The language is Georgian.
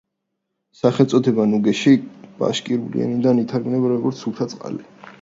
სახელწოდება „ნუგუში“ ბაშკირული ენიდან ითარგმნება როგორც „სუფთა წყალი“.